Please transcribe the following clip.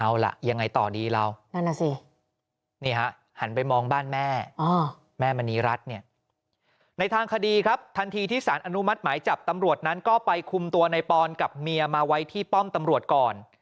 เอาล่ะยังไงต่อดีเรานั่นน่ะสินี่ฮะหันไปมองบ้านแม่แม่มณีรัฐเนี่ยในทางคดีครับทันทีที่สารอนุมัติหมายจับตำรวจนั้นก็ไปคุมตัวในปอนกับเมียมาไว้ที่ป้อมตำรวจก่อน